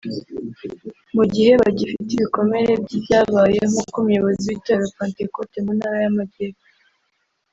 mu gihe bagifite ibikomere by’ibyabaye nk’uko umuyobozi w’Itorero Pantekote mu Ntara y’Amajyepfo